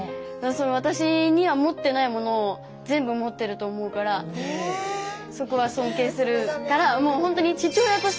私には持ってないものを全部持ってると思うからそこは尊敬するからやばい！